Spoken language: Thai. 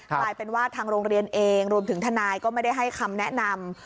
กลายเป็นว่าทางโรงเรียนเองรวมถึงทนายก็ไม่ได้ให้คำแนะนำ